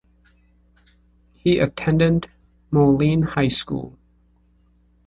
He attended Moline High School.